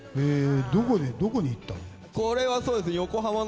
どこに行ったの？